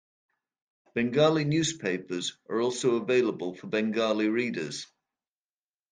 Bengali newspapers are also available for Bengali readers.